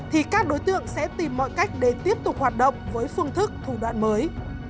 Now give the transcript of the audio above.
thì các đối tượng sẽ tìm mọi cách để tiếp tục hoạt động với phương thức thủ đoạn mới